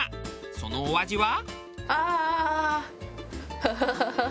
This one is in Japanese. そのお味は？